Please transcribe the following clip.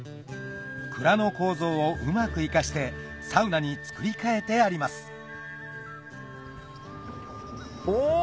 蔵の構造をうまく生かしてサウナに造り替えてありますお！